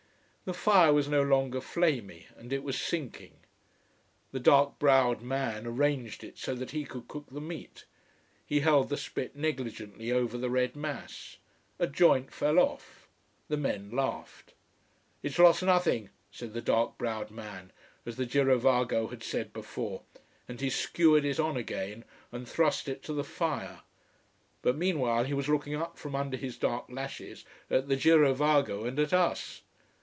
The fire was no longer flamy: and it was sinking. The dark browed man arranged it so that he could cook the meat. He held the spit negligently over the red mass. A joint fell off. The men laughed. "It's lost nothing," said the dark browed man, as the girovago had said before, and he skewered it on again and thrust it to the fire. But meanwhile he was looking up from under his dark lashes at the girovago and at us.